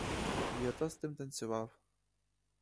Й ото з тим танцював.